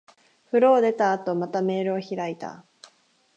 風呂を出た後、またメールを開いた。